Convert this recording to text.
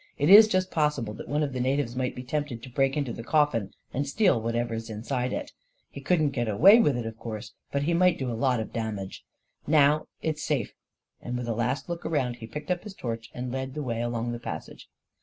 It is just possible that one of the natives might be tempted to break into the coffin and steal whatever's inside it. He couldn't get away with it, V A KING IN BABYLON 273 of course, but he might do a lot of damage. Now it's safe," and with a last look around, he picked up his torch and led the way along the passage.